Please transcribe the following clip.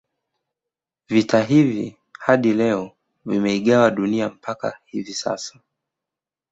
Vita hivi hadi leo vimeigawanya Dunia mpaka hivi sasa